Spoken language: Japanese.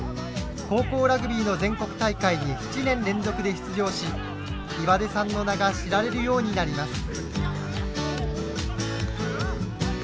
高校ラグビーの全国大会に７年連続で出場し岩出さんの名が知られるようになります。